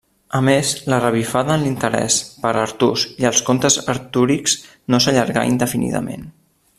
A més, la revifada en l'interès per Artús i els contes artúrics no s'allargà indefinidament.